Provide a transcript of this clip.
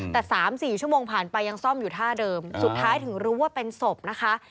แต่๓๔ชั่วโมงผ่านไปยังซ่อมอยู่ท่าเดิมสุดท้ายถึงรู้ว่าเป็นศพนะคะ